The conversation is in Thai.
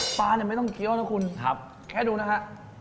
ปลาเนี่ยไม่ต้องเคี้ยวนะคุณแค่ดูนะฮะ